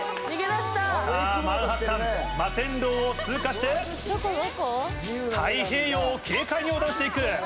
さぁマンハッタン摩天楼を通過して太平洋を軽快に横断して行く。